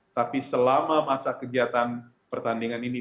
tapi selama masa kegiatan pertandingan ini